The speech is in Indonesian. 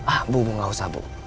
ah bumbu gak usah bu